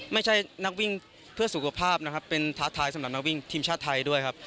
ไม่ใช่นักวิ่งเพื่อสุขภาพนะครับเป็นท้าทายสำหรับนักวิ่งทีมชาติไทยด้วยครับ